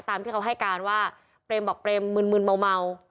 ตามที่เขาให้การว่าเปรมบอกเปรมมืนเมา